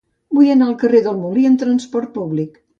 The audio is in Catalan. Vull anar al carrer del Molí amb trasport públic.